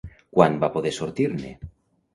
Quan va poder sortir-ne?